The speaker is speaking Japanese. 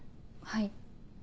はい。